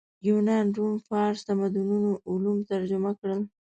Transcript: یونان روم فارس تمدنونو علوم ترجمه کړل